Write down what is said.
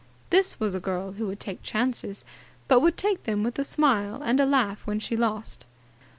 This was a girl who would take chances, but would take them with a smile and laugh when she lost.